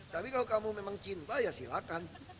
tapi kalau kamu memang cinta ya silakan